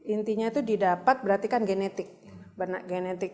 intinya itu didapat berarti kan genetik